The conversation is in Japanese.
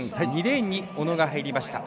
２レーンに小野が入りました。